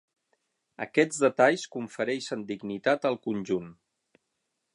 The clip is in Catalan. Aquests detalls confereixen dignitat al conjunt.